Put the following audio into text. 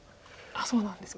そうなんですか。